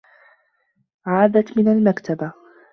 عادت من المكتبة.